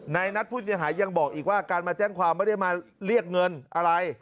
นายนัทผู้เสียหายยังบอกอีกว่าการมาแจ้งความไม่ได้มาเรียกเงินอะไร